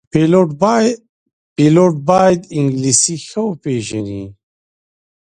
پیلوټ باید انګلیسي ښه وپېژني.